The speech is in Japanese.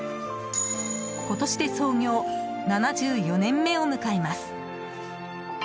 今年で創業７４年目を迎えます。